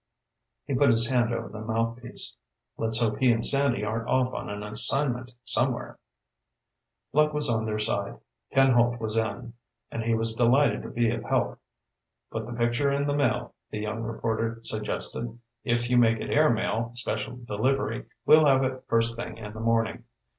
He put his hand over the mouthpiece. "Let's hope he and Sandy aren't off on an assignment somewhere." Luck was on their side. Ken Holt was in, and he was delighted to be of help. "Put the picture in the mail," the young reporter suggested. "If you make it airmail, special delivery, we'll have it first thing in the morning.